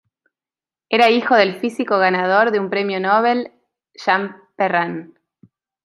Era hijo del físico ganador de un premio Nobel Jean Perrin.